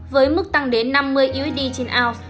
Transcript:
với mức tăng đến năm mươi usd trên oz